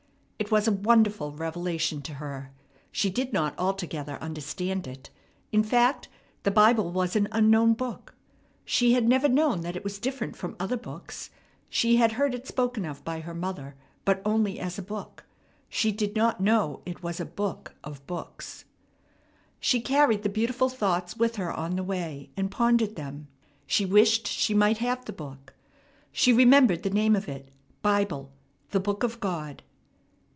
It was a wonderful revelation to her. She did not altogether understand it. In fact, the Bible was an unknown book. She had never known that it was different from other books. She had heard it spoken of by her mother, but only as a book. She did not know it was a book of books. She carried the beautiful thoughts with her on the way, and pondered them. She wished she might have the book. She remembered the name of it, Bible, the Book of God.